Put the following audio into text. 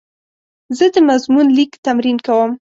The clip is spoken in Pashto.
زه د مضمون لیک تمرین کوم.